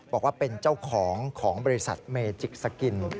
บอกว่าเป็นเจ้าของของบริษัทเมจิกสกิน